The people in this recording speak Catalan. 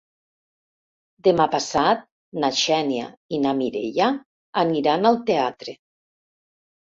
Demà passat na Xènia i na Mireia aniran al teatre.